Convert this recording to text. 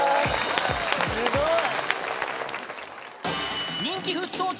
すごい！